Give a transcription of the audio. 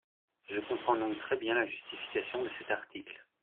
Je comprends donc très bien la justification de cet article.